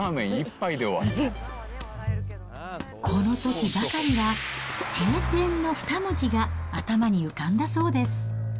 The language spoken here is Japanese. このときばかりは、閉店の二文字が頭に浮かんだそうです。